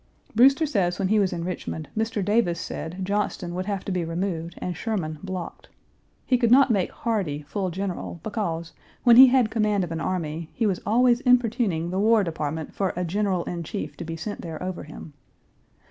Brewster says when he was in Richmond Mr. Davis said Johnston would have to be removed and Sherman blocked. He could not make Hardee full general because, when he had command of an army he was always importuning the War Department for a general in chief to be sent there over him.